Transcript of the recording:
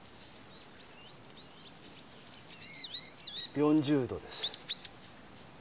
４０度です。